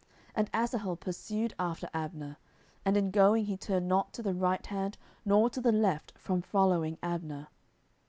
10:002:019 And Asahel pursued after Abner; and in going he turned not to the right hand nor to the left from following Abner.